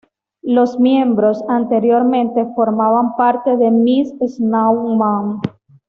Los miembros anteriormente formaban parte de Mis Snow Man.